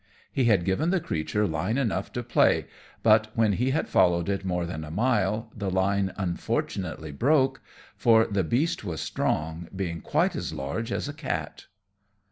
He had given the creature line enough to play, but, when he had followed it more than a mile, the line unfortunately broke for the beast was strong, being quite as large as a cat.